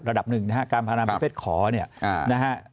ระดับหนึ่งนะฮะการพนันประเภทขอเนี่ยนะฮะ